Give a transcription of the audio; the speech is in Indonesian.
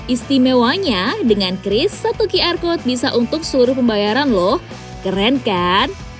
istimewanya dengan kris satu qr code bisa untuk suruh pembayaran loh keren kan